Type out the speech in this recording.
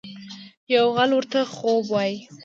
یو غل ورته خپل خوب وايي.